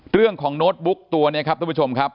เรื่องของโน๊ตบุ๊กตัวเนี่ยครับท่านผู้ชมครับ